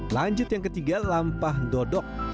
lanjut yang ketiga lampah dodok